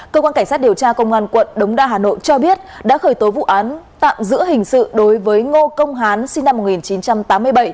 cơ quan cảnh sát điều tra công an quận đống đa hà nội cho biết đã khởi tố vụ án tạm giữ hình sự đối với ngô công hán sinh năm một nghìn chín trăm tám mươi bảy